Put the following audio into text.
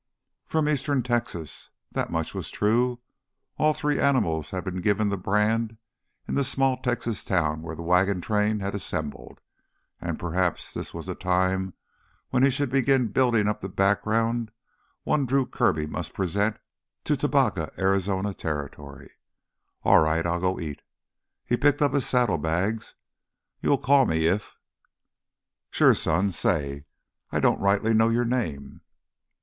"From Eastern ... Texas—" That much was true. All three animals had been given the brand in the small Texas town where the wagon train had assembled. And perhaps this was the time when he should begin building up the background one Drew Kirby must present to Tubacca, Arizona Territory. "All right, I'll go eat." He picked up his saddlebags. "You'll call me if——" "Sure, son. Say, I don't rightly know your name...."